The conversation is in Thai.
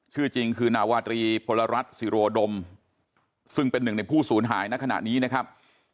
ชื่อจริงคือนาวาตรีพลรัฐศิโรดมซึ่งเป็นหนึ่งในผู้สูญหายในขณะนี้นะครับ